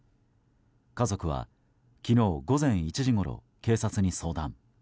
家族は、昨日午前１時ごろ警察に相談。